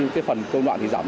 cái phần công đoạn thì giảm bớt